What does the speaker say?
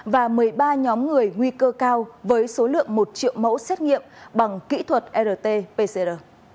và một mươi ba nhóm người nguy cơ cao với số lượng một triệu mẫu xét nghiệm bằng kỹ thuật rt pcr